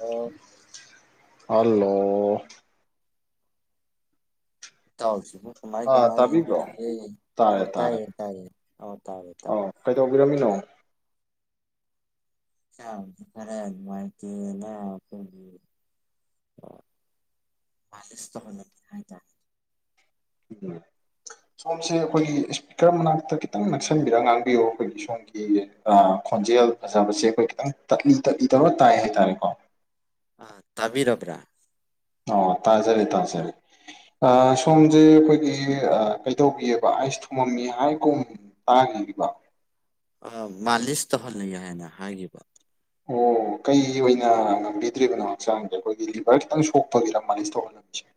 ꯑꯣ ꯍꯜꯂꯣ ꯢꯇꯧꯁꯤꯕꯨ ꯀꯃꯥꯏ ꯑꯥ ꯀꯃꯥꯏ ꯇꯥꯕꯤꯕ꯭ꯔꯣ ꯂꯦꯜꯕꯤꯔꯤꯒꯦ ꯇꯥꯔꯦ ꯑꯣ ꯇꯥꯔꯦ ꯇꯥꯏꯌꯦ ꯇꯥꯏꯌꯦ ꯑꯣ ꯇꯥꯔꯦ ꯇꯥꯔꯦ ꯑꯧ ꯀꯩꯗꯧꯕꯤꯔꯝꯃꯤꯅꯣ [unintelligible] ꯈꯔ ꯅꯨꯡꯉꯤꯢꯇꯦꯅ ꯑꯩꯈꯣꯢꯒꯤ [unintelligible] ꯆꯁ ꯍꯥꯏꯇꯥꯔꯦ ꯎꯝ ꯁꯣꯝꯁꯦ ꯑꯩꯈꯣꯏꯒꯤ ꯏꯁꯄꯤꯀꯔ ꯃꯅꯥꯛꯇ ꯈꯤꯇꯪ ꯅꯛꯁꯟꯕꯤꯔꯒ ꯉꯥꯡꯕꯤꯌꯣ ꯑꯩꯈꯣꯏꯒꯤ ꯁꯣꯝꯒꯤ ꯈꯣꯟꯖꯦꯜ ꯐꯖꯕꯁꯦ ꯑꯩꯈꯣꯏ ꯈꯤꯇꯪ ꯇꯥꯞꯂꯤ ꯇꯥꯞꯂꯤ ꯇꯧꯔ ꯇꯥꯏ ꯍꯥꯏꯇꯥꯔꯦꯀꯣ ꯑꯥ ꯇꯥꯕꯤꯔꯕ꯭ꯔꯥ ꯑꯣ ꯇꯥꯖꯔꯦ ꯇꯥꯖꯔꯦ ꯁꯣꯝꯁꯦ ꯑꯩꯈꯣꯏꯒꯤ ꯀꯩꯇꯧꯕꯤꯑꯦꯕ ꯑꯩꯁ ꯊꯨꯝꯃꯝꯃꯤ ꯍꯥꯏꯒꯨꯝ ꯍꯥꯢꯈꯤꯕꯅꯦꯒꯣ ꯃꯥꯂꯤꯁ ꯇꯧꯍꯜꯂꯤ ꯍꯥꯏꯅ ꯍꯥꯏꯈꯤꯕ ꯑꯣ ꯀꯩ ꯑꯣꯏꯅ ꯉꯝꯕꯤꯗ꯭ꯔꯤꯕꯅꯣ ꯍꯛꯆꯥꯡꯁꯦ ꯑꯩꯈꯣꯏꯒꯤ ꯂꯤꯚꯔ ꯈꯤꯇꯪ ꯁꯣꯛꯄꯒꯤꯔ ꯃꯥꯜꯅꯤꯁ ꯇꯣ ꯐꯦ [inaudible]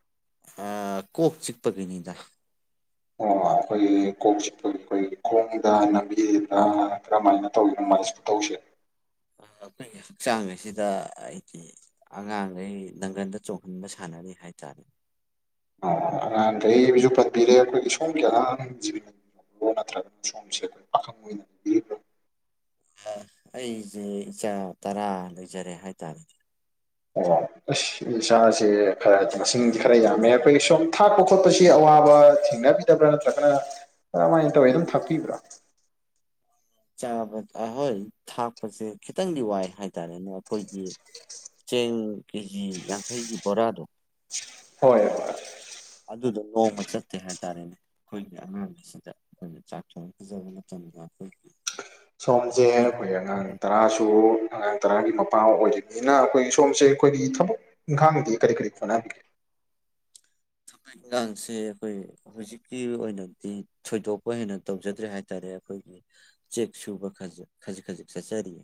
ꯑꯥ ꯀꯣꯛ ꯆꯤꯛꯄꯒꯤꯅꯤꯗ ꯑꯣ ꯑꯩꯈꯣꯏꯒꯤ ꯀꯣꯛ ꯆꯤꯠꯄꯒꯤ ꯑꯩꯈꯣꯏꯒꯤ ꯈꯣꯡꯗ ꯂꯝꯕꯤꯔꯤꯔ ꯀꯔꯝꯃꯥꯏꯅ ꯇꯧꯔꯤꯅꯣ ꯃꯥꯂꯤꯁ ꯇꯧꯁꯦ ꯑꯩꯈꯣꯏꯒꯤ ꯍꯛꯆꯥꯡ ꯑꯁꯤꯗ ꯍꯥꯏꯗꯤ ꯑꯉꯥꯡꯈꯩ ꯅꯪꯒꯟꯗ ꯆꯣꯡꯍꯟꯕ ꯁꯥꯟꯅꯔꯤ ꯍꯥꯏꯇꯥꯔꯦ ꯑꯣ ꯑꯉꯥꯡꯈꯩꯁꯨ ꯄꯟꯕꯤꯔꯦ ꯑꯩꯈꯣꯏꯒꯤ ꯁꯣꯝꯒꯤ ꯑꯉꯥꯡꯖꯤꯕꯤ ꯁꯦ ꯄ [unintelligible] ꯑꯦ ꯑꯩꯁꯦ ꯏꯆꯥ ꯇꯔꯥ ꯂꯩꯖꯔꯦ ꯍꯥꯏꯇꯥꯔꯦ ꯑꯣ ꯑꯩꯁ ꯏꯥꯁꯥꯁꯦ ꯈꯔꯗꯤ ꯃꯁꯤꯡꯗꯤ ꯈꯔ ꯌꯥꯝꯃꯦ ꯑꯩꯈꯣꯏꯒꯤ ꯁꯣꯝ ꯊꯥꯛꯄ ꯈꯣꯠꯄꯁꯤ ꯑꯋꯥꯕ ꯊꯦꯡꯅꯕꯤꯗꯕ꯭ꯔꯥ ꯅꯠꯇ꯭ꯔꯒꯅ ꯀꯔꯝꯃꯥꯏꯅ ꯇꯧꯔꯤꯅꯣ ꯑꯗꯨꯝ ꯊꯥꯛꯄꯤꯕ꯭ꯔꯥ ꯆꯥꯕ ꯍꯣꯏ ꯊꯥꯛꯄꯁꯦ ꯈꯤꯇꯪꯗꯤ ꯋꯥꯏ ꯍꯥꯏꯇꯥꯔꯦꯅꯦ ꯑꯩꯈꯣꯏꯒꯤ ꯆꯦꯡ ꯀꯦꯖꯤ ꯌꯥꯡꯈꯩꯒꯤ ꯕꯣꯔꯥꯗꯣ ꯍꯣꯏ ꯍꯣꯏ ꯑꯗꯨꯗꯣ ꯅꯣꯡꯃ ꯆꯠꯇꯦ ꯍꯥꯏꯇꯥꯔꯦꯅꯦ ꯑꯩꯈꯣꯏꯒꯤ ꯑꯉꯥꯡꯒꯤꯁꯤꯗ ꯑꯩꯈꯣꯏꯅ ꯆꯥꯛ ꯊꯣꯡ ꯄꯤꯖꯕ ꯃꯇꯝꯗ ꯑꯩꯈꯣꯏꯒꯤ ꯁꯣꯝꯖꯦ ꯑꯩꯈꯣꯏꯒꯤ ꯑꯩꯈꯣꯏ ꯑꯉꯥꯡ ꯊꯕꯛ ꯇꯔꯥꯁꯨ ꯑꯉꯥꯡ ꯇꯔꯥꯒꯤ ꯃꯄꯥ ꯑꯣꯏꯔꯤꯝꯅꯤꯅ ꯑꯩꯈꯣꯏ ꯁꯣꯝꯁꯦ ꯑꯩꯈꯣꯏꯒꯤ ꯊꯕꯛ ꯏꯪꯈꯥꯡꯗꯤ ꯀꯔꯤ ꯀꯔꯤ ꯍꯣꯅꯕꯤꯔꯤ ꯊꯕꯛ ꯏꯪꯒꯥꯡꯁꯦ ꯑꯩꯈꯣꯏ ꯍꯧꯖꯤꯛꯀꯤ ꯑꯣꯏꯅꯗꯤ ꯊꯣꯏꯗꯣꯛꯄ ꯍꯦꯟꯅ ꯇꯧꯖꯗ꯭ꯔꯦ ꯍꯥꯏꯇꯥꯔꯦ ꯑꯩꯈꯣꯏꯒꯤ ꯆꯦꯛ ꯁꯨꯕ ꯈꯖꯥ ꯈꯖꯤꯛ ꯈꯖꯤꯛ ꯆꯠꯆꯔꯤꯌꯦ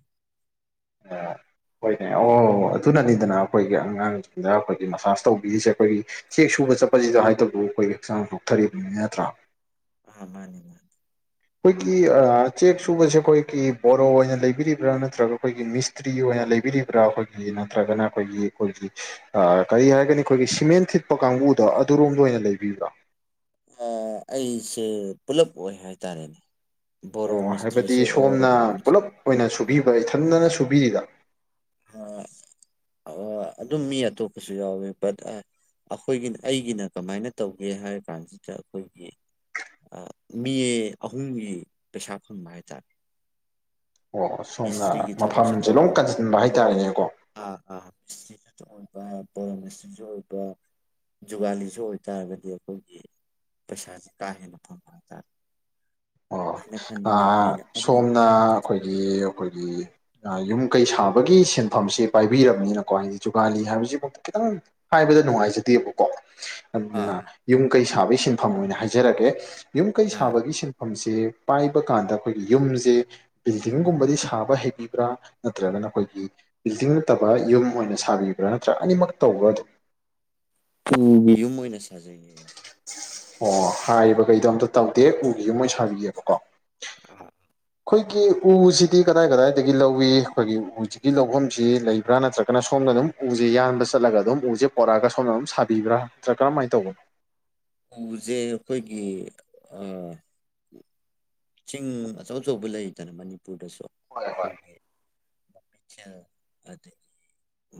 [unintelligible] ꯍꯣꯏꯅꯦ ꯑꯣ ꯑꯗꯨꯅꯅꯤꯗꯅ ꯑꯩꯈꯣꯏꯒꯤ ꯑꯉꯥꯡꯁꯤꯡꯗ ꯑꯩꯈꯣꯏꯒꯤ ꯃꯁꯥꯁ ꯇꯧꯕꯤꯔꯤꯁꯦ ꯑꯩꯈꯣꯏꯒꯤ ꯆꯦꯛ ꯁꯨꯕ ꯆꯠꯄꯁꯤꯗ ꯍꯥꯏꯗꯕꯨ ꯑꯩꯈꯣꯏꯒꯤ ꯍꯛꯆꯥꯡ ꯆꯣꯛꯊꯔꯤꯕꯅꯤ ꯅꯠꯇ꯭ꯔꯥ ꯑ ꯃꯥꯅꯤ ꯃꯥꯅꯤ ꯑꯩꯈꯣꯏꯒꯤ ꯑ ꯆꯦꯛ ꯆꯨꯕꯖꯦ ꯑꯩꯈꯣꯏꯒꯤ ꯕꯣꯔꯣ ꯑꯣꯏꯅ ꯂꯩꯕꯤꯔꯤꯕ꯭ꯔꯥ ꯅꯠꯇ꯭ꯔꯒ ꯑꯩꯈꯣꯏꯒꯤ ꯃꯤꯁ ꯇ꯭ꯔꯤ ꯑꯣꯏꯅ ꯂꯩꯕꯤꯔꯤꯕ꯭ꯔꯥ ꯑꯩꯈꯣꯏꯒꯤ ꯅꯠꯇ꯭ꯔꯒꯅ ꯑꯩꯈꯣꯏꯒꯤ ꯑꯩꯈꯣꯏꯒꯤ ꯑ ꯀꯔꯤ ꯍꯥꯏꯒꯅꯤ ꯑꯩꯈꯣꯏꯒꯤ ꯁꯤꯃꯦꯟ ꯊꯤꯠꯄ ꯀꯥꯡꯒꯨꯗꯣ ꯑꯗꯨꯔꯣꯝꯗ ꯑꯣꯏꯅ ꯂꯩꯕꯤꯕ꯭ꯔꯥ ꯑ ꯑꯩꯁꯦ ꯄꯨꯂꯞ ꯑꯣꯏ ꯍꯥꯏꯇꯥꯔꯦꯅꯦ ꯕꯣꯔꯣ ꯑꯣ ꯍꯥꯏꯕꯗꯤ ꯃꯤꯁꯇ꯭ꯔꯤꯁꯨ ꯑꯣꯏ ꯁꯣꯝꯅ ꯄꯨꯂꯞ ꯑꯣꯏꯅ ꯁꯨꯕꯤꯕ ꯏꯊꯟꯗꯅ ꯁꯨꯕꯤꯔꯤꯔ ꯑ ꯑꯣ ꯑꯗꯨꯝ ꯃꯤ ꯑꯇꯣꯞꯄꯁꯨ ꯌꯥꯎꯋꯤ [unintelligible] ꯑꯩꯈꯣꯏꯒꯤꯅ ꯑꯩꯒꯤꯅ ꯀꯃꯥꯏꯅ ꯇꯧꯒꯦ ꯍꯥꯏꯔ ꯀꯥꯟꯖꯤꯗ ꯑꯩꯈꯣꯏꯒꯤ ꯑ ꯃꯤ ꯑꯍꯨꯝꯒꯤ ꯄꯩꯁꯥ ꯐꯪꯕ ꯍꯥꯏꯇꯥꯔꯦ ꯑꯣ ꯁꯣꯝꯅ ꯃꯤꯁꯇ꯭ꯔꯤꯒꯤ ꯊꯕꯛꯁꯨ ꯃꯐꯝꯖꯦ ꯂꯣꯝ ꯇꯧꯕ ꯀꯟꯁꯟꯕ ꯍꯥꯏꯇꯥꯔꯦꯅꯦꯀꯣ ꯑꯥ ꯑꯥ [unintelligible] ꯑꯣꯏꯕ ꯕꯣꯔꯣ ꯃꯤꯁꯇ꯭ꯔꯤꯖꯨ ꯑꯣꯏꯕ ꯖꯨꯒꯥꯂꯤꯁꯨ ꯑꯣꯏꯇꯥꯔꯒꯗꯤ ꯑꯩꯈꯣꯏꯒꯤ ꯄꯩꯁꯥꯖꯦ ꯀꯥ ꯍꯦꯟꯅ ꯐꯪꯕ ꯍꯥꯏꯇꯔꯦ ꯑꯣ ꯑ ꯑꯩꯅ ꯑꯍꯨꯝꯃꯛ ꯁꯣꯝꯅ ꯑꯈꯣꯏꯒꯤ ꯑꯈꯣꯏꯒꯤ ꯑ ꯌꯨꯝ ꯀꯩ ꯁꯥꯕꯒꯤ ꯁꯤꯟꯐꯝꯁꯦ ꯄꯥꯏꯕꯤꯔꯕꯅꯤꯅꯀꯣ ꯍꯥꯏꯗꯤ ꯖꯨꯒꯥꯂꯤ ꯍꯥꯏꯕꯁꯤꯐꯥꯎ ꯈꯤꯇꯪ ꯍꯥꯏꯕꯗ ꯅꯨꯡꯉꯥꯏꯖꯗꯦꯕꯀꯣ ꯑꯗꯨꯅ ꯑꯥ ꯌꯨꯝ ꯀꯩ ꯁꯥꯕꯒꯤ ꯁꯤꯟꯐꯝ ꯑꯣꯏꯅ ꯍꯥꯏꯖꯔꯒꯦ ꯌꯨꯝ ꯀꯩ ꯑꯥ ꯁꯥꯕꯒꯤ ꯁꯤꯟ ꯐꯝꯁꯦ ꯄꯥꯏꯕ ꯀꯥꯟꯗ ꯑꯈꯣꯏꯒꯤ ꯌꯨꯝꯖꯦ ꯕꯤꯜꯗꯤꯡꯒꯨꯝꯕꯗꯤ ꯁꯥꯕ ꯍꯩꯕꯤꯕ꯭ꯔꯥ ꯅꯠꯇ꯭ꯔꯒꯅ ꯑꯈꯣꯏꯒꯤ ꯕꯤꯜꯗꯤꯡ ꯅꯠꯇꯕ ꯌꯨꯝ ꯑꯣꯏꯅ ꯁꯥꯕꯤꯕ꯭ꯔꯥ ꯅꯠꯇ꯭ꯔꯥ ꯑꯅꯤꯃꯛ ꯇꯧꯕ꯭ꯔꯥ ꯑꯗꯨꯝ ꯎꯒꯤ ꯌꯨꯝ ꯑꯣꯏꯅ ꯁꯥꯖꯩꯌꯦ ꯑꯩꯖꯦ ꯑꯣ ꯍꯥꯏꯔꯤꯕꯒꯩꯗꯣ ꯑꯝꯇ ꯇꯧꯗꯦ ꯎꯒꯤ ꯌꯨꯝ ꯑꯣꯏ ꯁꯥꯕꯤꯌꯦꯕꯀꯣ [unintelligible] ꯈꯣꯏꯒꯤ ꯎꯁꯤꯗꯤ ꯀꯗꯥꯏ ꯀꯗꯥꯏꯗꯒꯤ ꯂꯧꯋꯤ ꯑꯈꯣꯏꯒꯤ ꯎꯖꯤꯒꯤ ꯂꯧꯕꯝꯖꯤ ꯂꯩꯕ꯭ꯔꯥ ꯅꯠꯇ꯭ꯔꯒꯅ ꯁꯣꯝꯅ ꯑꯗꯨꯝ ꯎꯖꯤ ꯌꯥꯟꯕ ꯆꯠꯂꯒ ꯑꯗꯨꯝ ꯎꯖꯤ ꯄꯣꯔꯛꯑꯒ ꯁꯣꯝꯅ ꯑꯗꯨꯝ ꯁꯥꯕꯤꯕ꯭ꯔꯥ ꯅꯠꯇ꯭ꯔꯥ ꯀꯔꯝꯃꯥꯏ ꯇꯧꯕꯅꯣ ꯎꯖꯦ ꯑꯩꯈꯣꯏꯒꯤ ꯑꯥ ꯆꯤꯡ ꯑꯆꯧ ꯑꯆꯧꯕ ꯂꯩꯔꯤꯗꯅ ꯃꯅꯤꯄꯨꯔꯗꯁꯨ ꯍꯣꯏ ꯍꯣꯏ ꯑꯈꯣꯏꯒꯤ [unintelligible] ꯑꯗꯒꯤ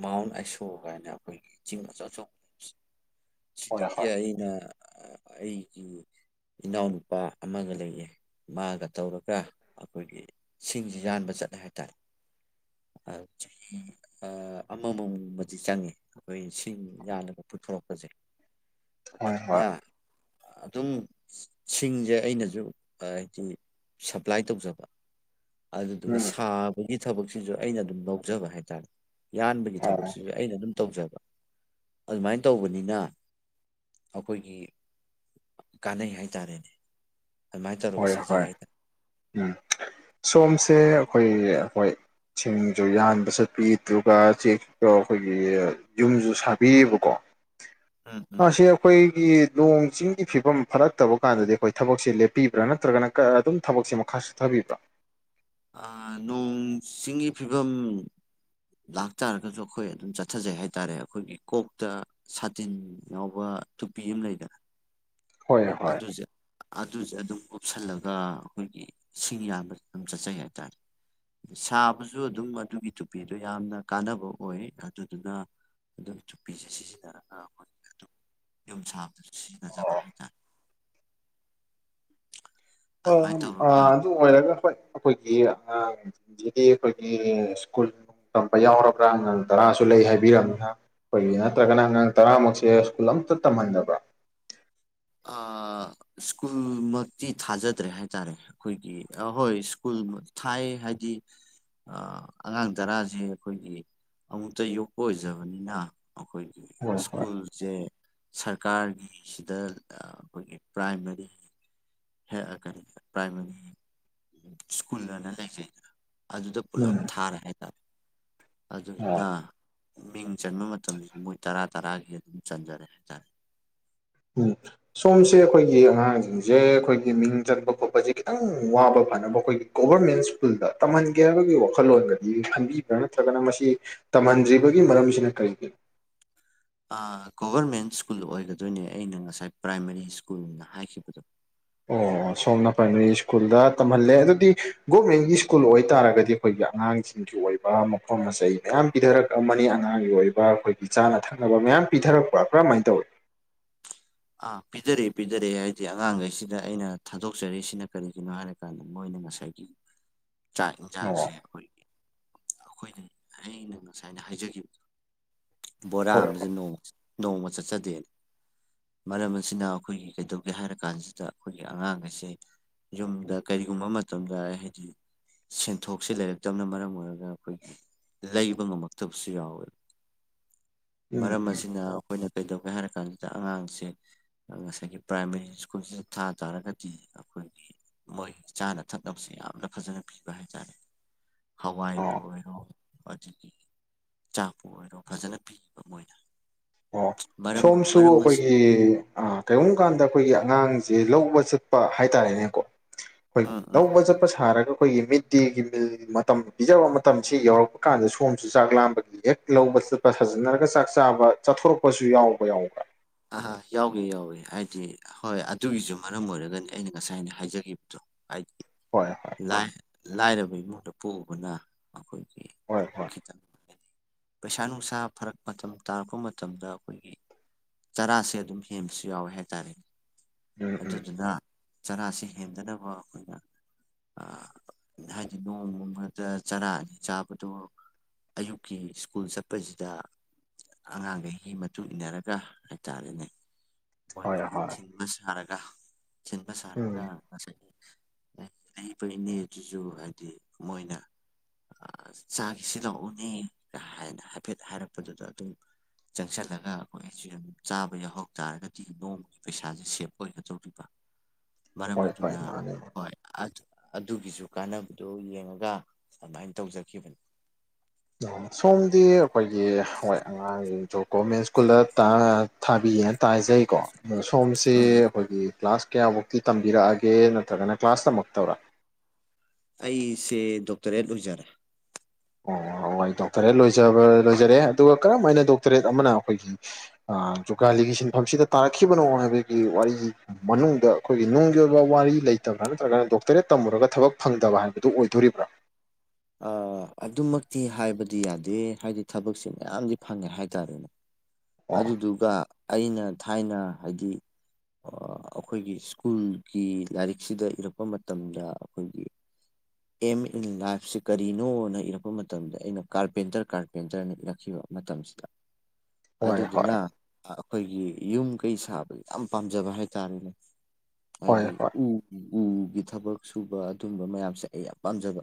ꯃꯥꯎꯟ ꯑꯥꯏꯁꯣ ꯀꯥꯏꯅ ꯑꯈꯣꯏꯒꯤ ꯆꯤꯡ ꯑꯆꯧ ꯑꯆꯧꯕ ꯎꯤꯁ ꯍꯣꯏ ꯁꯤꯗꯒꯤ ꯑꯩꯅ ꯑ ꯑꯩꯒꯤ ꯏꯅꯥꯎꯅꯨꯄꯥ ꯑꯃꯒ ꯂꯩꯌꯦ ꯃꯥꯒ ꯇꯧꯔꯒ ꯑꯈꯣꯏꯒꯤ ꯁꯤꯡꯖꯤ ꯌꯥꯟꯕ ꯆꯠꯂꯦ ꯍꯥꯏꯇꯥꯔꯦ ꯑ ꯆꯍꯤ ꯑ ꯑꯃꯃꯝꯃꯗꯤ ꯆꯪꯉꯤ ꯑꯈꯣꯏ ꯁꯤꯡ ꯌꯥꯜꯂꯒ ꯄꯨꯊꯣꯔꯛꯄꯖꯦ ꯍꯣꯏ ꯍꯣꯏ ꯑꯗꯨꯗꯨꯅ ꯍꯣꯏ ꯑꯗꯨꯝ ꯁꯤꯡꯁꯦ ꯑꯩꯅꯁꯨ ꯑ ꯁꯤ ꯁꯄ꯭ꯂꯥꯏ ꯇꯧꯖꯕ ꯑꯗꯨꯗꯨꯒ ꯎꯝ ꯁꯥꯕꯒꯤ ꯊꯕꯛꯁꯤꯁꯨ ꯑꯩꯅ ꯑꯗꯨꯝ ꯂꯧꯖꯕ ꯍꯥꯏꯇꯥꯔꯦ꯫ ꯌꯥꯟꯕꯒꯤ ꯑꯣ ꯊꯕꯛꯁꯤꯁꯨ ꯑꯩꯅ ꯑꯗꯨꯝ ꯇꯧꯖꯕ ꯑꯗꯨꯃꯥꯏꯅ ꯇꯧꯕꯅꯤꯅ ꯑꯩꯈꯣꯏꯒꯤ ꯀꯥꯟꯅꯩ ꯍꯥꯏꯇꯥꯔꯦꯅꯦ꯫ ꯑꯗꯨꯃꯥꯏꯅ ꯇꯧꯔꯒ ꯍꯣꯏ ꯁꯥꯖꯩ ꯍꯣꯏ ꯍꯥꯏꯇꯥꯔꯦ ꯎꯝ ꯁꯣꯝꯁꯦ ꯑꯩꯈꯣꯏ ꯍꯣꯏ ꯁꯤꯡꯁꯨ ꯌꯥꯟꯕ ꯆꯠꯄꯤ ꯑꯗꯨꯒ ꯆꯦꯛꯇꯣ ꯑꯩꯈꯣꯏꯒꯤ ꯌꯨꯝꯁꯨ ꯁꯥꯕꯤꯌꯦꯕꯀꯣ꯫ ꯎꯝ [inaudible] ꯎꯝ ꯑꯁꯤ ꯑꯩꯈꯣꯏꯒꯤ ꯅꯣꯡ ꯆꯤꯡꯒꯤ ꯐꯤꯕꯝ ꯐꯔꯛꯇꯕ ꯀꯥꯟꯗꯗꯤ ꯑꯩꯈꯣꯏ ꯊꯕꯛꯁꯦ ꯂꯦꯞ ꯄꯤꯕ꯭ꯔꯥ ꯅꯠꯇ꯭ꯔꯒꯅ ꯑꯗꯨꯝ ꯊꯕꯛꯁꯦ ꯃꯈꯥ ꯁꯠꯊꯕꯤꯕ꯭ꯔꯥ꯫ ꯑꯥ ꯅꯣꯡ ꯆꯤꯡ ꯐꯤꯕꯝ ꯂꯥꯛꯇꯥꯔꯒꯁꯨ ꯑꯩꯈꯣꯏ ꯑꯗꯨꯝ ꯆꯠꯊꯖꯩ ꯍꯥꯏꯇꯥꯔꯦ ꯑꯩꯈꯣꯏꯒꯤ ꯀꯣꯛꯇ ꯁꯥꯇꯤꯟ ꯌꯥꯎꯕ ꯇꯨꯄꯤ ꯑꯃ ꯂꯩꯗꯅ ꯍꯣꯏ ꯍꯣꯏ ꯑꯗꯨꯁꯦ ꯑꯗꯨꯁꯦ ꯑꯗꯨꯝ ꯀꯨꯞꯁꯜꯂꯒ ꯑꯩꯈꯣꯏꯒꯤ ꯁꯤꯡ ꯌꯥꯝꯕꯁꯦ ꯑꯗꯨꯝ ꯆꯠꯆꯩ ꯍꯥꯏꯇꯔꯦ꯫ ꯁꯥꯕꯁꯨ ꯑꯗꯨꯝ ꯑꯗꯨꯒꯤ ꯇꯨꯄꯤꯗꯣ ꯌꯥꯝꯅ ꯀꯥꯟꯅꯕ ꯑꯣꯏ ꯑꯗꯨꯗꯨꯅ ꯑꯗꯨꯝ ꯇꯨꯞꯄꯤꯁꯦ ꯁꯤꯁꯤꯅꯔꯒ ꯑꯩꯈꯣꯏ [inaudible] ꯌꯨꯝ ꯁꯥꯕꯗꯁꯨ ꯁꯤꯖꯤꯟꯅꯖꯕ ꯍꯥꯏꯇꯥꯔꯦ ꯑꯗꯨꯃꯥꯏꯅ ꯑ ꯇꯧꯔꯒ ꯑꯗꯨ ꯑꯣꯏꯔꯒ ꯍꯣꯏ ꯑꯩꯈꯣꯏꯒꯤ ꯑꯉꯥꯡ ꯍꯧꯖꯤꯗꯤ ꯑꯩꯈꯣꯏꯒꯤ ꯁ꯭ꯀꯨꯜ ꯇꯝꯕ ꯌꯥꯎꯔꯕ꯭ꯔꯥ ꯑꯉꯥꯡ ꯇꯔꯥꯁꯨ ꯂꯩ ꯍꯥꯏꯕꯤꯔꯝꯅꯤꯅ꯫ ꯑꯩꯈꯣꯏꯒꯤ ꯅꯠꯇ꯭ꯔꯒꯅ ꯑꯉꯥꯡ ꯇꯔꯥꯃꯛꯁꯦ ꯁ꯭ꯀꯨꯜ ꯑꯝꯇ ꯇꯝꯍꯟꯗꯕ꯫ ꯑꯥ ꯁ꯭ꯀꯨꯜꯃꯛꯇꯤ ꯊꯥꯖꯗ꯭ꯔꯦ ꯍꯥꯏꯇꯥꯔꯦ꯫ ꯑꯩꯈꯣꯏꯒꯤ ꯑꯍꯣꯏ ꯁ꯭ꯀꯨꯜ ꯊꯥꯏ ꯍꯥꯏꯗꯤ ꯑꯉꯥꯡ ꯇꯔꯥꯁꯦ ꯑꯩꯈꯣꯏꯒꯤ ꯑꯃꯨꯛꯇ ꯌꯣꯛꯄ ꯑꯣꯏꯖꯕꯅꯤꯅ ꯑꯩꯈꯣꯏ ꯍꯣꯏ ꯍꯣꯏ ꯁ꯭ꯀꯨꯜꯁꯦ ꯁꯔꯀꯥꯔꯒꯤꯁꯤꯗ ꯑꯩꯈꯣꯏꯒꯤ ꯄ꯭ꯔꯥꯏꯃꯥꯔꯤ ꯍꯦꯛ ꯀꯔꯤ ꯄ꯭ꯔꯥꯏꯃꯔꯤ ꯁ꯭ꯀꯨꯜ ꯍꯏꯅ ꯂꯩꯖꯩꯗꯅ꯫ ꯑꯗꯨꯗ ꯎꯝ ꯄꯨꯂꯞ ꯊꯥꯔꯦ ꯍꯥꯏꯇꯥꯔꯦ ꯑꯗꯨꯗꯨꯅ ꯑꯣ ꯃꯤꯡ ꯆꯟꯕ ꯃꯇꯝꯁꯤꯁꯨ ꯃꯣꯏ ꯇꯔꯥ ꯇꯔꯥꯒꯤ ꯑꯗꯨꯝ ꯆꯟꯖꯔꯦ ꯍꯥꯏꯇꯥꯔꯦ꯫ ꯎꯝ ꯁꯣꯝꯁꯦ ꯑꯩꯈꯣꯏꯒꯤ ꯑꯉꯥꯡꯁꯤꯡꯁꯦ ꯑꯩꯈꯣꯏꯒꯤ ꯃꯤꯡ ꯆꯟꯕ ꯈꯣꯠꯄꯁꯦ ꯈꯤꯇꯪ ꯋꯥꯕ ꯐꯅꯕ ꯑꯩꯈꯣꯏꯒꯤ ꯒꯣꯕꯔꯃꯦꯟ ꯁ꯭ꯀꯨꯜꯗ ꯇꯝꯍꯟꯒꯦ ꯍꯥꯏꯕꯒꯤ ꯋꯥꯈꯜꯂꯣꯟꯒꯗꯤ ꯈꯟꯕꯤꯕ꯭ꯔꯥ ꯅꯠꯇ꯭ꯔꯒꯅ ꯃꯁꯤ ꯇꯝꯍꯟꯗ꯭ꯔꯤꯕꯒꯤ ꯃꯔꯝꯁꯤꯅ ꯀꯔꯤꯒꯤꯅꯣ? ꯑꯥ ꯒꯣꯕꯔꯃꯦꯟ ꯁ꯭ꯀꯨꯜ ꯑꯣꯏꯒꯗꯣꯏꯅꯦ ꯑꯩꯅ ꯉꯁꯥꯏ ꯄ꯭ꯔꯥꯏꯃꯥꯔꯤ ꯁ꯭ꯀꯨꯜꯅ ꯍꯥꯏꯈꯤꯕꯗꯣ꯫ ꯑꯣ ꯁꯣꯝꯅ ꯄ꯭ꯔꯥꯏꯃꯥꯔꯤ ꯁ꯭ꯀꯨꯜꯗ ꯇꯝꯍꯜꯂꯦ ꯑꯗꯨꯗꯤ ꯒꯣꯔꯃꯦꯟꯒꯤ ꯁ꯭ꯀꯨꯜ ꯑꯣꯏꯇꯥꯔꯒꯗꯤ ꯑꯩꯈꯣꯏꯒꯤ ꯑꯉꯥꯡꯁꯤꯡꯒꯤ ꯑꯣꯏꯕ ꯃꯄꯣꯠ ꯃꯆꯩ ꯃꯌꯥꯝ ꯄꯤꯊꯔꯛ ꯑꯝꯃꯅꯤ ꯑꯉꯥꯡꯒꯤ ꯑꯣꯏꯕ ꯑꯩꯈꯣꯏ ꯆꯥꯅ ꯊꯛꯅꯕ ꯃꯌꯥꯝ ꯄꯤꯊꯔꯛꯄ ꯀꯔꯝꯃꯥꯏꯅ ꯇꯧꯏ꯫ ꯑꯥ ꯄꯤꯗꯔꯛꯏ ꯄꯤꯗꯔꯛꯑꯦ ꯍꯥꯏꯗꯤ ꯑꯉꯥꯡꯈꯩꯁꯤꯗ ꯑꯩꯅ ꯊꯥꯗꯣꯛꯆꯔꯤꯁꯤꯅ ꯀꯔꯤꯒꯤꯅꯣ ꯍꯥꯏꯔ ꯀꯥꯟꯗ ꯃꯣꯏꯅ ꯉꯁꯥꯏꯒꯤ [unintelligible] [inaudible] ꯆꯥꯛ ꯑꯣ ꯌꯦꯟꯁꯥꯡꯁꯦ ꯑꯩꯈꯣꯏꯒꯤ ꯑꯩꯈꯣꯏꯗꯤ ꯑꯩꯅ ꯉꯁꯥꯏ ꯑꯩꯅ ꯍꯥꯏꯖꯈꯤꯕꯗꯣ꯫ ꯕꯣꯔꯥ ꯍꯣꯏ ꯍꯣꯏ ꯑꯃꯁꯨꯡ ꯅꯣꯡ ꯅꯣꯡꯃ ꯆꯠꯆꯗꯦ꯫ ꯃꯔꯝ ꯑꯁꯤꯅ ꯑꯩꯈꯣꯏꯒꯤ ꯀꯩꯗꯧꯒꯦ ꯍꯥꯏꯔ ꯀꯥꯟꯁꯤꯗ ꯑꯩꯈꯣꯏꯒꯤ ꯑꯉꯥꯡ ꯑꯁꯦ ꯌꯨꯝꯗ ꯀꯔꯤꯒꯨꯝꯕ ꯃꯇꯝꯗ ꯍꯥꯏꯗꯤ ꯁꯦꯟꯊꯣꯛꯁꯦ ꯂꯩꯔꯛꯇꯕꯅ ꯃꯔꯝ ꯑꯣꯏꯔꯒ ꯑꯩꯈꯣꯏꯒꯤ ꯂꯩꯕ ꯉꯝꯃꯛꯇꯕꯁꯨ ꯌꯥꯎꯋꯦ꯫ [unintelligible] [inaudible] ꯃꯔꯝ ꯎꯝ ꯑꯁꯤꯅ ꯑꯩꯈꯣꯏꯅ ꯀꯩꯗꯧꯒꯦ ꯍꯥꯏꯔ ꯀꯥꯟꯁꯤꯗ ꯑꯉꯥꯡꯁꯦ ꯉꯁꯥꯏꯒꯤ ꯄ꯭ꯔꯥꯏꯃꯥꯔꯤ ꯁ꯭ꯀꯨꯜꯁꯤꯗ ꯊꯥ ꯇꯥꯔꯒꯗꯤ ꯑꯩꯈꯣꯏꯒꯤ ꯃꯣꯏꯒꯤ ꯆꯥꯅ ꯊꯛꯅꯕꯁꯤ ꯌꯥꯝꯅ ꯐꯖꯅ ꯄꯤꯕ ꯍꯥꯏꯇꯥꯔꯦ ꯍꯋꯥꯏꯕꯨ ꯑꯣ ꯑꯣꯏꯔꯣ ꯑꯗꯨꯗꯒꯤ ꯆꯥꯛꯄꯨ ꯑꯣꯏꯔꯣ ꯐꯖꯅ ꯄꯤꯕ ꯃꯣꯏꯅ ꯑꯣ ꯃꯔꯝ ꯁꯣꯝꯁꯨ ꯃꯔꯝ ꯑꯁꯤ ꯑꯩꯈꯣꯏꯒꯤ ꯑꯥ ꯀꯔꯤꯒꯨꯝꯕ ꯀꯥꯟꯗ ꯑꯩꯈꯣꯏꯒꯤ ꯑꯉꯥꯡꯁꯦ ꯂꯧꯕ ꯆꯠꯄ ꯍꯥꯏꯇꯥꯔꯦꯅꯦꯀꯣ ꯑꯩꯈꯣꯏꯒꯤ ꯎꯝ ꯎꯝ ꯂꯧꯕ ꯆꯠꯄ ꯁꯥꯔꯒ ꯑꯩꯈꯣꯏꯒꯤ ꯃꯤꯗ ꯗꯦꯒꯤ ꯃꯤꯜ ꯃꯇꯝ ꯄꯤꯖꯕ ꯃꯇꯝꯁꯤ ꯌꯧꯔꯛꯄ ꯀꯥꯟꯗ ꯁꯣꯝꯁꯨ ꯆꯥꯛ ꯂꯥꯝꯕꯒꯤ ꯍꯦꯛ ꯂꯧꯕ ꯆꯠꯄ ꯁꯥꯖꯤꯟꯅꯔꯒ ꯆꯥꯛ ꯆꯥꯕ ꯆꯠꯊꯣꯔꯛꯄꯁꯨ ꯌꯥꯎꯕ ꯌꯥꯎꯕ꯭ꯔꯥ ꯑꯥ ꯌꯥꯎꯋꯦ ꯌꯥꯎꯋꯦ ꯍꯥꯏꯗꯤ ꯍꯣꯏ ꯑꯗꯨꯒꯤꯁꯨ ꯃꯔꯝ ꯑꯣꯏꯔꯒꯅꯤ ꯑꯩꯅ ꯉꯁꯥꯏꯅ ꯍꯥꯏꯖꯈꯤꯕꯗꯣ ꯍꯥꯏꯗꯤ ꯍꯣꯏ ꯍꯣꯏ ꯂꯥꯏꯔꯕ ꯏꯃꯨꯡꯗ ꯄꯣꯛꯎꯨꯕꯅ ꯑꯩꯈꯣꯏꯒꯤ ꯍꯣꯏ ꯍꯣꯏ ꯈꯤꯇꯪ ꯍꯥꯏꯗꯤ ꯄꯩꯁꯥ ꯅꯨꯡꯁꯥ ꯐꯔꯛ ꯃꯇꯝ ꯇꯥꯔꯛꯄ ꯃꯇꯝꯗ ꯑꯩꯈꯣꯏꯒꯤ ꯆꯔꯥꯁꯦ ꯑꯗꯨꯝ ꯍꯦꯟꯕꯁꯨ ꯌꯥꯎꯋꯦ ꯍꯥꯏꯇꯥꯔꯦꯅꯦ ꯎꯝ ꯎꯝ ꯑꯗꯨꯗꯨꯅ ꯆꯔꯥꯁꯤ ꯍꯦꯟꯗꯅꯕ ꯑꯩꯈꯣꯏꯅ ꯍꯥꯏꯗꯤ ꯅꯣꯡꯃꯗ ꯆꯥꯔ ꯑꯅꯤ ꯆꯥꯕꯗꯣ ꯑꯌꯨꯛꯀꯤ ꯁ꯭ꯀꯨꯜ ꯆꯠꯄꯁꯤꯗ ꯑꯉꯥꯡꯈꯩꯒꯤ ꯃꯇꯨꯡ ꯏꯟꯅꯔꯒ ꯍꯥꯏꯇꯥꯔꯦꯅꯦ ꯃꯣꯏ ꯍꯣꯏ ꯍꯣꯏ ꯊꯤꯟꯕ ꯁꯥꯔꯒ ꯊꯤꯟꯕ ꯁꯥꯔꯒ ꯎꯝ ꯉꯁꯥꯏ [unintelligible] ꯏꯅꯦ ꯑꯗꯨꯁꯨ ꯍꯥꯏꯗꯤ ꯃꯣꯏꯅ ꯆꯥꯈꯤꯁꯤ ꯂꯥꯛꯑꯣꯅꯦ ꯍꯥꯏꯅ ꯍꯥꯏꯐꯦꯠ ꯍꯥꯏꯔꯛꯄꯗꯨꯗ ꯑꯗꯨꯝ ꯆꯪꯁꯜꯂꯒ ꯑꯩꯈꯣꯢꯁꯨ ꯆꯥꯕ ꯌꯥꯎꯍꯧ ꯇꯥꯔꯒꯗꯤ ꯅꯣꯡꯃꯒꯤ ꯄꯩꯁꯥꯁꯦ ꯁꯦꯞ ꯑꯣꯏꯒꯗꯧꯔꯤꯕ ꯃꯔꯝ ꯍꯣꯏ ꯍꯣꯏ ꯑꯗꯨꯅ ꯃꯥꯅꯦ ꯍꯣꯏ ꯑꯗꯨꯒꯤꯁꯨ ꯀꯥꯟꯅꯕꯗꯨ ꯌꯦꯡꯉꯒ ꯑꯗꯨꯃꯥꯏꯅ ꯇꯧꯖꯈꯤꯕꯅꯦ ꯑꯤ ꯁꯣꯝꯗꯤ ꯑꯩꯈꯣꯏꯒꯤ ꯍꯋꯥꯢ ꯃꯥꯒꯤ ꯒꯣꯔꯃꯦꯟ ꯁ꯭ꯀꯨꯜꯗ ꯊꯥꯕꯤꯌꯦꯅ ꯇꯥꯖꯩꯀꯣ ꯑꯥ ꯁꯣꯝꯁꯦ ꯑꯥ ꯑꯩꯈꯣꯏꯒꯤ ꯀ꯭ꯂꯥꯁ ꯀꯌꯥꯐꯧꯛꯇꯤ ꯇꯝꯕꯤꯔꯛꯑꯒꯦ ꯅꯠꯇ꯭ꯔꯒꯅ ꯀ꯭ꯂꯥꯁ ꯇꯥꯝꯃꯛꯇꯕꯔꯥ ꯑꯩꯁꯦ ꯗꯣꯛꯇꯔꯦꯠ ꯂꯣꯏꯖꯔꯦ ꯑꯣ ꯍꯣꯏ ꯗꯣꯛꯇꯔꯦꯠ ꯂꯣꯏꯖꯕ ꯂꯣꯏꯖꯔꯦ ꯑꯗꯨꯒ ꯀꯔꯝ ꯍꯥꯏꯅ ꯗꯣꯛꯇꯔꯦꯠ ꯑꯃꯅ ꯑꯩꯈꯣꯏꯒꯤ ꯖꯨꯒꯥꯂꯤꯒꯤ ꯁꯤꯟꯐꯝꯁꯤꯗ ꯇꯥꯔꯛꯈꯤꯕꯅꯣ ꯍꯥꯏꯕꯒꯤ ꯋꯥꯔꯤ ꯃꯅꯨꯡꯗ ꯑꯩꯈꯣꯏꯒꯤ ꯅꯨꯡꯒꯤ ꯑꯣꯏꯕ ꯋꯥꯔꯤ ꯂꯩꯇꯕ꯭ꯔꯥ ꯅꯠꯇ꯭ꯔꯒꯅ ꯗꯣꯛꯇꯔꯦꯠ ꯇꯝꯃꯨꯔꯒ ꯊꯕꯛ ꯐꯪꯗꯕ ꯍꯥꯏꯕꯗꯨ ꯑꯣꯏꯗꯣꯔꯤꯕ꯭ꯔꯥ ꯑꯗꯨꯃꯛꯇꯤ ꯍꯥꯏꯕꯗꯤ ꯌꯥꯗꯦ ꯍꯥꯏꯗꯤ ꯊꯕꯛꯁꯦ ꯃꯌꯥꯝꯗꯤ ꯐꯪꯉꯦ ꯍꯥꯏꯇꯥꯔꯦꯅꯦ [inaudible] ꯑꯗꯨꯗꯨꯒ ꯑꯩꯅ ꯊꯥꯏꯅ ꯍꯥꯏꯗꯤ ꯑꯩꯈꯣꯏꯒꯤ ꯁ꯭ꯀꯨꯜꯒꯤ ꯂꯥꯏꯔꯤꯛꯁꯤꯗ ꯏꯔꯛꯄ ꯃꯇꯝꯗ ꯑꯩꯈꯣꯏꯒꯤ ꯑꯦꯝ ꯏꯟ ꯂꯥꯏꯐ ꯁꯤ ꯀꯔꯤꯅꯣꯅ ꯏꯔꯛꯄ ꯃꯇꯝꯗ ꯑꯩꯅ ꯀꯥꯔꯄꯦꯟꯇꯔ ꯀꯥꯔꯄꯦꯟꯇꯔꯅ ꯏꯔꯛꯈꯤꯕ ꯃꯇꯝꯁꯤꯗ ꯍꯣꯏ ꯍꯣꯏ ꯑꯗꯨꯗꯨꯅ ꯑꯩꯈꯣꯏꯒꯤ ꯌꯨꯝ ꯀꯩ ꯁꯥꯕ ꯌꯥꯝ ꯄꯥꯝꯖꯕ ꯍꯥꯏꯇꯥꯔꯦꯅꯦ ꯍꯣꯏ ꯍꯥꯏꯗꯤ ꯍꯣꯏ ꯎ ꯎꯒꯤ ꯊꯕꯛ ꯁꯨꯕ ꯑꯗꯨꯝꯕ ꯃꯌꯥꯝꯁꯦ ꯑꯩ ꯌꯥꯝ ꯄꯥꯝꯖꯕ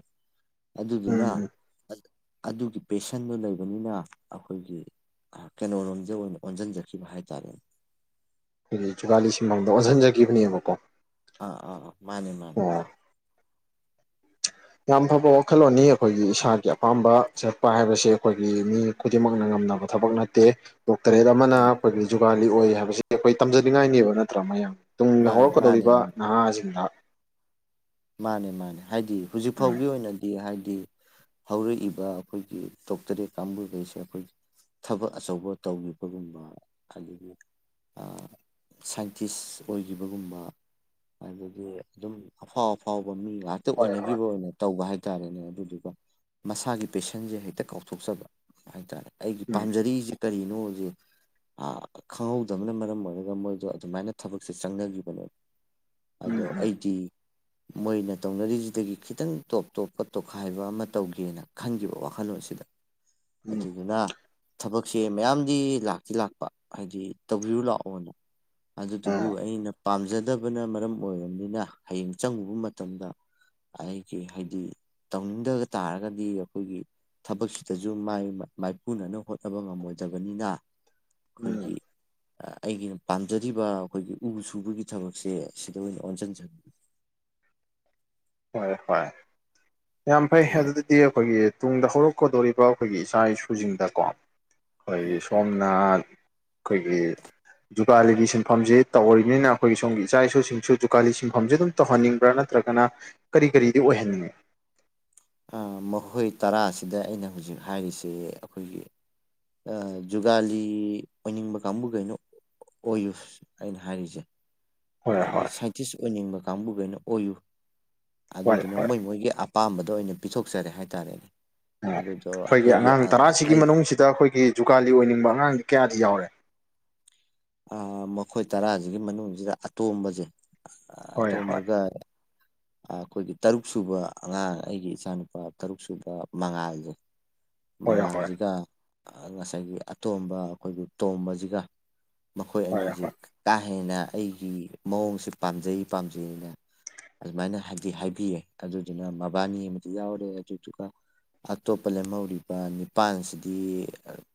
ꯑꯗꯨꯗꯨꯅ ꯎꯝ ꯎꯝ ꯑꯗꯨꯒꯤ ꯄꯦꯁꯟꯗꯨ ꯂꯩꯕꯅꯤꯅ ꯑꯩꯈꯣꯏꯒꯤ ꯑꯥ ꯀꯩꯅꯣꯔꯣꯝꯗ ꯑꯣꯏꯅ ꯑꯣꯟꯁꯤꯟꯖꯈꯤꯕ ꯍꯥꯏꯇꯥꯔꯦ ꯑꯩꯈꯣꯏꯒꯤ ꯖꯨꯒꯥꯂꯤ ꯁꯤꯟꯐꯥꯝꯗ ꯑꯣꯟꯁꯤꯟꯖꯈꯤꯕꯅꯦꯕꯀꯣ ꯑꯥ ꯑꯥ ꯑꯥ ꯃꯥꯅꯦ ꯃꯥꯅꯦ ꯑꯥ ꯌꯥꯝ ꯐꯕ ꯋꯥꯈꯜꯂꯣꯟꯅꯤ ꯑꯩꯈꯣꯏꯒꯤ ꯏꯁꯥꯒꯤ ꯑꯄꯥꯝꯕ ꯆꯠꯄ ꯍꯥꯏꯕꯁꯦ ꯑꯩꯈꯣꯏꯒꯤ ꯃꯤ ꯈꯨꯗꯤꯡꯃꯛꯅ ꯉꯝꯅꯕ ꯊꯕꯛ ꯅꯠꯇꯦ ꯗꯣꯛꯇꯔꯦꯠ ꯑꯃꯅ ꯑꯥ ꯑꯩꯈꯣꯏꯒꯤ ꯖꯨꯒꯥꯂꯤ ꯑꯣꯏ ꯍꯥꯏꯕꯁꯤ ꯑꯩꯈꯣꯏ ꯇꯝꯖꯅꯤꯡꯉꯥꯏꯅꯦꯕ ꯅꯠꯇ꯭ꯔꯥ ꯃꯌꯥꯝ ꯇꯨꯡꯗ ꯃꯥꯅꯦ ꯃꯥꯅꯦ ꯍꯧꯔꯛꯀꯗꯧꯔꯤꯕ ꯃꯥꯅꯦ ꯅꯍꯥꯁꯤꯡꯅ ꯃꯥꯅꯦ ꯃꯥꯅꯦ ꯍꯥꯏꯗꯤ ꯍꯧꯖꯤꯛ ꯎꯝ ꯐꯥꯎꯒꯤ ꯑꯣꯏꯅꯗꯤ ꯍꯥꯏꯗꯤ ꯍꯧꯔꯛꯏꯕ ꯑꯩꯈꯣꯏꯒꯤ ꯗꯣꯛꯇꯔꯦꯠ ꯀꯥꯡꯕꯨꯒꯩꯁꯦ ꯑꯩꯈꯣꯏꯒꯤ ꯊꯕꯛ ꯑꯆꯧꯕ ꯇꯧꯕꯒꯨꯝꯕ ꯑꯗꯒꯤ ꯑꯥ ꯁꯥꯏꯟꯇꯤꯁ ꯑꯣꯏꯈꯤꯕꯒꯨꯝꯕ ꯍꯥꯏꯕꯖꯤ ꯑꯗꯨꯝ ꯑꯐꯥꯎ ꯑꯐꯥꯎꯕ ꯃꯤ ꯉꯥꯛꯇ ꯍꯣꯏ ꯍꯣꯏ ꯑꯣꯏꯅꯈꯤꯕ ꯑꯣꯏꯅ ꯇꯧꯕ ꯍꯥꯏꯇꯥꯔꯦꯅꯦ ꯑꯗꯨꯗꯨꯒ ꯃꯁꯥꯒꯤ ꯄꯦꯁꯟꯁꯦ ꯍꯦꯛꯇ ꯀꯥꯎꯊꯣꯛꯆꯕ ꯍꯥꯏꯇꯥꯔꯦ ꯑꯩꯒꯤ ꯎꯝ ꯄꯥꯝꯖꯔꯤꯁꯤ ꯀꯔꯤꯅꯣꯁꯦ ꯑꯥ ꯈꯪꯍꯧꯗꯕꯅ ꯃꯔꯝ ꯑꯣꯏꯔꯒ ꯃꯣꯏꯁꯨ ꯑꯗꯨꯃꯥꯏꯅ ꯊꯕꯛꯁꯦ ꯆꯪꯅꯈꯤꯕꯅꯦꯕ ꯎꯝ ꯑꯗꯣ ꯑꯩꯗꯤ ꯃꯣꯏꯅ ꯇꯧꯅꯔꯤꯁꯤꯗꯒꯤ ꯈꯤꯇꯪ ꯇꯣꯞ ꯇꯣꯞꯄ ꯇꯣꯈꯥꯏꯕ ꯑꯃ ꯇꯧꯒꯦꯅ ꯈꯟꯈꯤꯕ ꯋꯥꯈꯜꯂꯣꯟꯁꯤꯗ ꯎꯝ [inaudible] ꯑꯗꯨꯗꯨꯅ ꯊꯕꯛꯁꯦ ꯃꯌꯥꯝꯗꯤ ꯂꯥꯛꯇꯤ ꯂꯥꯛꯄ ꯍꯥꯏꯗꯤ ꯇꯧꯕꯤꯔꯨ ꯂꯥꯛꯑꯣꯅ ꯎꯝ ꯑꯗꯨꯗꯨꯕꯨ ꯑꯩꯅ ꯄꯥꯝꯖꯗꯕꯅ ꯃꯔꯝ ꯑꯣꯏꯔꯕꯅꯤꯅ ꯍꯌꯦꯡ ꯆꯪꯉꯨꯕ ꯃꯇꯝꯗ ꯑꯩꯒꯤ ꯍꯥꯏꯗꯤ ꯇꯧꯅꯤꯡꯗꯕ ꯇꯥꯔꯒꯗꯤ ꯑꯩꯈꯣꯏꯒꯤ ꯊꯕꯛꯁꯤꯗꯁꯨ ꯃꯥꯏꯄꯨꯅꯅꯕ ꯍꯣꯠꯅꯕ ꯉꯝꯃꯣꯏꯗꯕꯅꯤꯅ ꯎꯝ ꯑꯩꯈꯣꯏꯒꯤ ꯑꯩꯒꯤꯅ ꯄꯥꯝꯖꯔꯤꯕ ꯑꯩꯈꯣꯏꯒꯤ ꯎ ꯁꯨꯕꯒꯤ ꯊꯕꯛꯁꯦ ꯁꯤꯗ ꯑꯣꯏꯅ ꯑꯣꯟꯁꯤꯟꯖꯒꯦ ꯍꯣꯏ ꯍꯣꯏ ꯌꯥꯝ ꯐꯩ ꯑꯗꯨꯗꯤ ꯑꯩꯈꯣꯏꯒꯤ ꯇꯨꯡꯗ ꯍꯧꯔꯛꯀꯗꯣꯔꯤꯕ ꯑꯩꯈꯣꯏꯒꯤ ꯏꯆꯥ ꯏꯁꯨꯁꯤꯡꯗꯀꯣ ꯑꯩꯈꯣꯏꯒꯤ ꯁꯣꯝꯅ ꯑꯩꯈꯣꯏꯒꯤ ꯖꯨꯀꯥꯂꯤꯒꯤ ꯁꯤꯟꯐꯝꯁꯦ ꯇꯧꯔꯤꯅꯤꯅ ꯑꯩꯈꯣꯏꯒꯤ ꯁꯣꯝꯒꯤ ꯏꯆꯥ ꯏꯁꯨꯁꯤꯡꯁꯨ ꯖꯨꯀꯥꯂꯤ ꯁꯤꯟꯐꯝꯁꯦ ꯑꯗꯨꯝ ꯇꯧꯍꯟꯅꯤꯡꯕ꯭ꯔꯥ ꯅꯠꯇ꯭ꯔꯒꯅ ꯀꯔꯤ ꯀꯔꯤꯗꯤ ꯑꯣꯏꯍꯟꯅꯤꯡꯉꯤ ꯃꯈꯣꯏ ꯇꯔꯥꯁꯤꯗ ꯑꯩꯅ ꯍꯧꯖꯤꯛ ꯍꯥꯏꯔꯤꯁꯦ ꯑꯩꯈꯣꯏꯒꯤ ꯑꯥ ꯖꯨꯒꯥꯂꯤ ꯑꯣꯏꯅꯤꯡꯕ ꯀꯥꯡꯕꯨꯈꯩꯅ ꯑꯣꯏꯌꯨ ꯑꯩꯅ ꯍꯥꯏꯔꯤꯁꯦ ꯍꯣꯏ ꯑꯗꯨꯒꯤ ꯍꯣꯏ ꯁꯥꯏꯟꯇꯤꯁ ꯑꯣꯏꯅꯤꯡꯕ ꯀꯥꯡꯕꯨꯈꯩꯅ ꯑꯣꯏꯌꯨ ꯍꯣꯏ ꯑꯗꯨꯗꯨꯅ ꯍꯣꯏ ꯃꯣꯏ ꯃꯣꯏꯒꯤ ꯑꯄꯥꯝꯕꯗꯨ ꯑꯣꯏꯅ ꯄꯤꯊꯣꯛꯆꯔꯦ ꯍꯥꯏꯇꯥꯔꯦꯅꯦ ꯑꯣ ꯑꯗꯨꯗꯣ ꯑꯩꯈꯣꯏꯒꯤ ꯑꯩꯒꯤ ꯑꯉꯥꯡ ꯇꯔꯥꯁꯤꯒꯤ ꯑꯩ ꯃꯅꯨꯡꯁꯤꯗ ꯑꯩꯈꯣꯏꯒꯤ ꯖꯨꯒꯥꯥꯂꯤ ꯑꯣꯏꯅꯤꯡꯕ ꯑꯉꯥꯡꯗꯤ ꯀꯌꯥꯗꯤ ꯌꯥꯎꯔꯦ ꯃꯈꯣꯏ ꯇꯔꯥꯁꯤꯒꯤ ꯃꯅꯨꯡꯁꯤꯗ ꯑꯇꯣꯝꯕꯁꯦ ꯍꯣꯏ ꯍꯣꯏ ꯑꯇꯣꯝꯕꯒ ꯑꯩꯈꯣꯏꯒꯤ ꯇꯔꯨꯛ ꯁꯨꯕ ꯑꯉꯥꯡ ꯑꯩꯒꯤ ꯏꯆꯥꯅꯨꯄꯥ ꯇꯔꯨꯛ ꯁꯨꯕ ꯃꯉꯥꯜꯗꯣ ꯍꯣꯏ ꯍꯣꯏ ꯍꯣꯏ ꯃꯉꯥꯜꯁꯤꯒ ꯉꯁꯥꯏꯒꯤ ꯑꯇꯣꯝꯕ ꯑꯩꯈꯣꯏꯒꯤ ꯇꯣꯝꯕꯁꯤꯒ ꯃꯈꯣꯏ ꯍꯣꯏ ꯑꯅꯤꯁꯦ ꯀꯥ ꯍꯦꯟꯅ ꯑꯩꯒꯤ ꯃꯑꯣꯡꯁꯦ ꯄꯥꯝꯖꯩ ꯄꯥꯝꯖꯩꯅ ꯑꯗꯨꯃꯥꯏꯅ ꯍꯥꯏꯗꯤ ꯍꯥꯏꯕꯤꯌꯦ ꯑꯗꯨꯗꯨꯅ ꯃꯕꯥꯅꯤ ꯑꯃꯗꯤ ꯌꯥꯎꯔꯦ ꯑꯗꯨꯗꯨꯒ ꯑꯇꯣꯞꯄ ꯂꯦꯝꯍꯧꯔꯤꯕ ꯅꯤꯄꯥꯥꯟꯁꯤꯗꯤ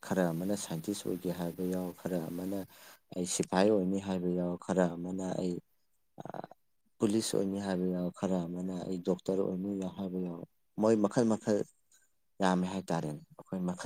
ꯈꯔ ꯑꯃꯅ ꯁꯥꯏꯟꯇꯤꯁ ꯑꯣꯏꯒꯦ ꯍꯥꯏꯕ ꯌꯥꯎ ꯈꯔ ꯑꯃꯅ ꯑꯩ ꯁꯤꯐꯥꯏ ꯑꯣꯏꯅꯤ ꯍꯥꯏꯕ ꯌꯥꯎ ꯈꯔ ꯑꯃꯅ ꯑꯩ ꯄꯨꯂꯤꯁ ꯑꯣꯏꯅꯤ ꯍꯥꯏꯕ ꯌꯥꯎ ꯈꯔ ꯑꯃꯅ ꯑꯩ ꯗꯣꯛꯇꯔ ꯑꯣꯏꯅꯤ ꯌꯥꯎ ꯍꯥꯏꯕ ꯌꯥꯎ ꯃꯣꯏ ꯃꯈꯜ ꯃꯈꯜ ꯌꯥꯝꯃꯦ ꯍꯥꯏꯇꯥꯔꯦꯅꯦ ꯑꯩꯈꯣꯏ ꯃꯈꯜ